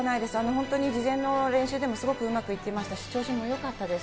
本当に事前の練習でもすごくうまくいってましたし、調子もよかったです。